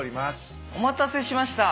お待たせしました。